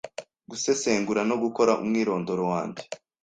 Gusesengura no gukora umwirondoro wange.